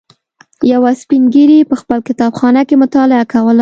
یوه سپین ږیري په خپل کتابخانه کې مطالعه کوله.